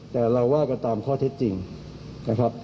แต่เราว่ากันตามข้อเท็จจริงนะครับ